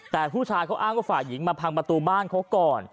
แต่ผู้ชายเขาอ้างว่าฝ่ายหญิงมาพังประตูบ้านเขาก่อน